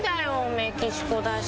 メキシコだし。